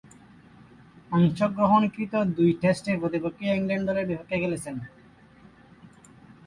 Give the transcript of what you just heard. অংশগ্রহণকৃত দুই টেস্টে প্রতিপক্ষীয় ইংল্যান্ড দলের বিপক্ষে খেলেছেন।